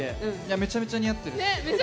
めちゃめちゃ似合ってる。